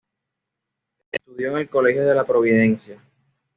Estudió en el colegio La Providencia.